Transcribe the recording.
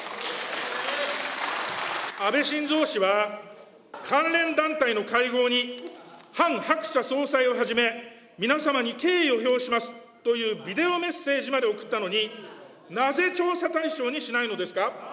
安倍晋三氏は、関連団体の会合にハン・ハクチャ総裁をはじめ、皆様に敬意を表しますというビデオメッセージまで送ったのに、なぜ調査対象にしないのですか。